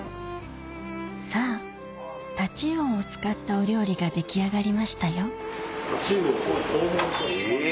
さぁ太刀魚を使ったお料理が出来上がりましたよ